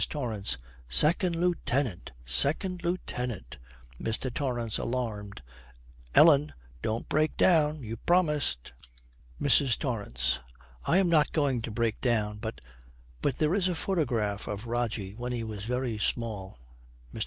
TORRANCE. '2nd Lieutenant! 2nd Lieutenant!' MR. TORRANCE, alarmed, 'Ellen, don't break down. You promised.' MRS. TORRANCE. 'I am not going to break down; but but there is a photograph of Rogie when he was very small ' MR.